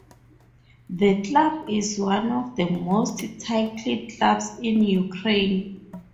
The club is one of the most titled clubs in Ukraine.